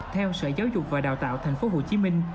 theo sở giáo dục và đào tạo thành phố hồ chí minh